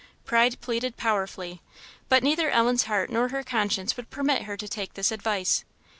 Pride pleaded powerfully. But neither Ellen's heart not her conscience would permit her to take this advice.